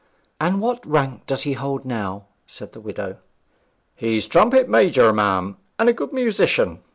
'And what rank does he hold now?' said the widow. 'He's trumpet major, ma'am; and a good musician.'